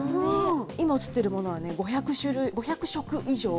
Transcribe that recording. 今映っているものは、５００色以上。